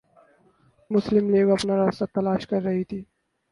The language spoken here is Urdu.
مسلم لیگ اپنا راستہ تلاش کررہی تھی۔